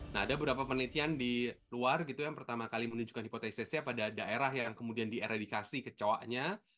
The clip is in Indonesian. nah ada beberapa penelitian di luar gitu yang pertama kali menunjukkan hipotesisnya pada daerah yang kemudian dieredikasi kecoanya